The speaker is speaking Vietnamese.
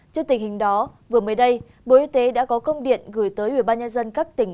trước tình hình đó vừa mới đây bộ y tế đã có công điện gửi tới ubnd các tỉnh